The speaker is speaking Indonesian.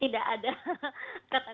tidak ada kata kata seperti itu